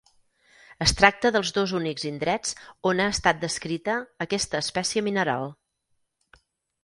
Es tracta dels dos únics indrets on ha estat descrita aquesta espècie mineral.